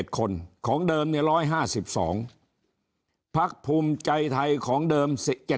๗คนของเดิม๑๕๒พักภูมิใจไทยของเดิม